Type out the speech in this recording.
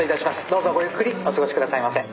どうぞごゆっくりお過ごしくださいませ。